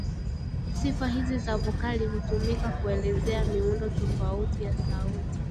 Sifa hizi za vokali hutumika kuelezea miundo tofauti ya sauti